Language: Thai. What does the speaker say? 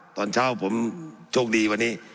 ตอนเช้าผมโชคดีวันนี้